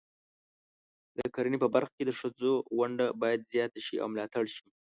د کرنې په برخه کې د ښځو ونډه باید زیاته شي او ملاتړ شي.